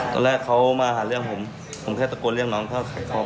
ตอนแรกเขามาหาเลี่ยงผมเคยตะโก้เลี่ยงหนึ่งเขาเข้าบ้านเขาแล้ว